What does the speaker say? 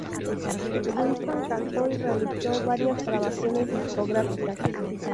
Wilson cantó, y realizó varias grabaciones discográficas.